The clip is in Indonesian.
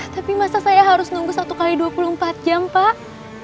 tapi masa saya harus nunggu satu x dua puluh empat jam pak